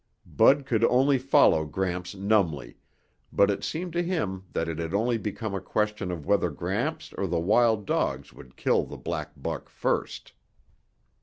Bud could only follow Gramps numbly, but it seemed to him that it had only become a question of whether Gramps or the wild dogs would kill the black buck first.